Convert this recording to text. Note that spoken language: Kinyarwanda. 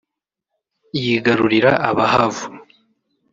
yigarurira Abahavu